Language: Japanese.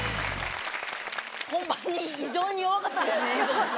本番に異常に弱かったですね